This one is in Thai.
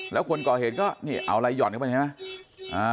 แล้วคนก่อเห็นก็นี่เอาลายหย่อนเข้าไปเห็นไหมนะ